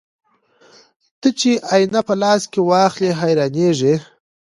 ته چې آيينه په لاس کې واخلې حيرانېږې